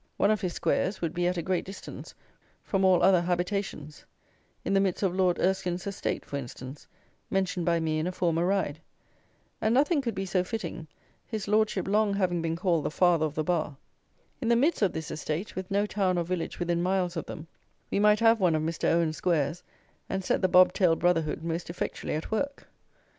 One of his squares would be at a great distance from all other habitations; in the midst of Lord Erskine's estate for instance, mentioned by me in a former ride; and nothing could be so fitting, his Lordship long having been called the father of the Bar; in the midst of this estate, with no town or village within miles of them, we might have one of Mr. Owen's squares, and set the bob tailed brotherhood most effectually at work.